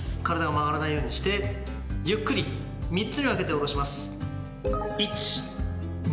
体が曲がらないようにしてゆっくり３つに分けて下ろします。